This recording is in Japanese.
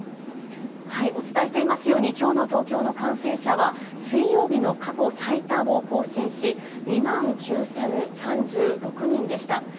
お伝えしていますように、きょうの東京の感染者は、水曜日の過去最多を更新し、２万９０３６人でした。